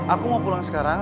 aku mau pulang sekarang